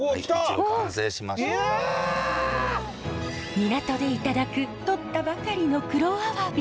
港でいただくとったばかりの黒アワビ。